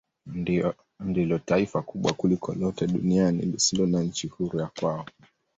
Ndilo taifa kubwa kuliko lote duniani lisilo na nchi huru ya kwao.